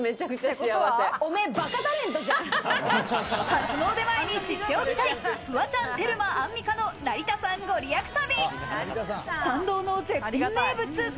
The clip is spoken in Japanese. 初詣前に知っておきたい、フワちゃん、テルマ、アンミカの成田山ご利益旅。